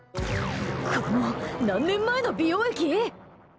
これも何年前の美容液？